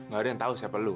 gak ada yang tahu siapa lu